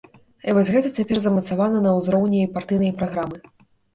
І вось гэта цяпер замацавана на ўзроўні партыйнай праграмы.